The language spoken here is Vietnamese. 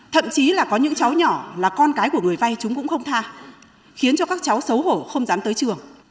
thậm chí là có những cháu nhỏ là con cái của người vay chúng cũng không tha khiến cho các cháu xấu hổ không dám tới trường